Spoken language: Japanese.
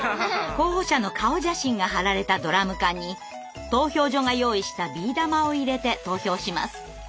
候補者の顔写真が貼られたドラム缶に投票所が用意したビー玉を入れて投票します。